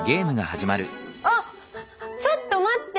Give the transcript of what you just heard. あっちょっと待って！